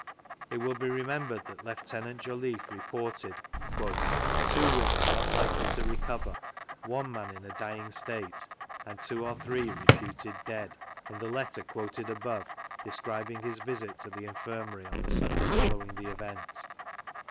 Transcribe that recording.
It will be remembered that Lieut. Jolliffe reported " two women not likely to recover; one man in a dymg state; and two or three reputed dead;" in the letter quoted above, describing his visit to the IiuSnuary on Uie Sunday following the event.